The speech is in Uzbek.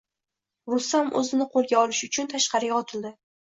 Rustam o`zini qo`lga olish uchun tashqariga otildi